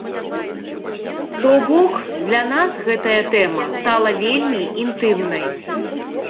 То бок, для нас гэтая тэма стала вельмі інтымнай.